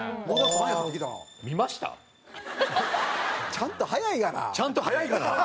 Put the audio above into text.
ちゃんと速いがな！